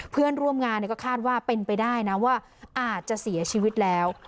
เพื่อนร่วมงานก็คาดว่าเป็นไปได้นะว่าอาจจะเสียชีวิตแล้ว